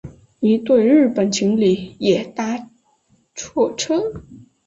一对日本情侣也搭错车